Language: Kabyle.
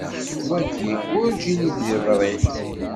Wagi werǧin i d-yeḍri.